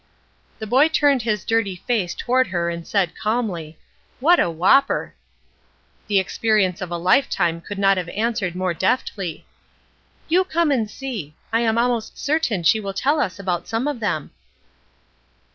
The boy turned his dirty face toward her and said, calmly: "What a whopper!" The experience of a lifetime could not have answered more deftly: "You come and see. I am almost certain she will tell us about some of them."